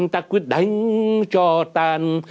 ta quyết đánh cho tàn